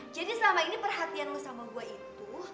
jadi selama ini perhatian lo sama gue itu